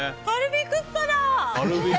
カルビクッパだ！